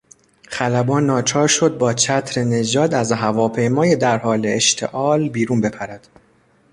خلبان ناچار شد با چتر نجات از هواپیمای در حال اشتعال بیرون بپرد.